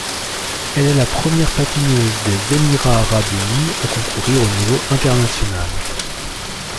Elle est la première patineuse des Émirats arabes unis à concourir au niveau international.